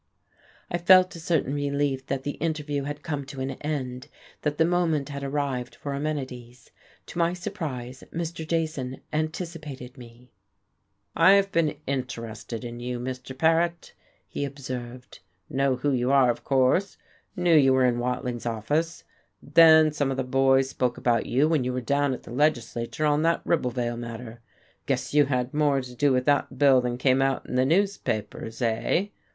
I felt a certain relief that the interview had come to an end, that the moment had arrived for amenities. To my surprise, Mr. Jason anticipated me. "I've been interested in you, Mr. Paret," he observed. "Know who you are, of course, knew you were in Watling's office. Then some of the boys spoke about you when you were down at the legislature on that Ribblevale matter. Guess you had more to do with that bill than came out in the newspapers eh?"